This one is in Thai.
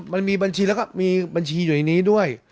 มันมีบัญชีแล้วก็มีบัญชีอยู่ในนี้ด้วย